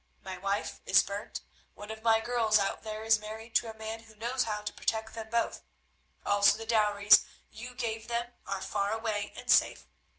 My wife is burnt, one of my girls out there is married to a man who knows how to protect them both, also the dowries you gave them are far away and safe.